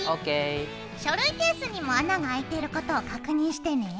書類ケースにも穴があいていることを確認してね。